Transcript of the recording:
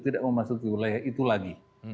tidak memasuki wilayah itu lagi